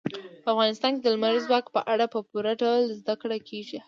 په افغانستان کې د لمریز ځواک په اړه په پوره ډول زده کړه کېږي.